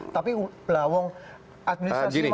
tapi lawang administrasi masih susah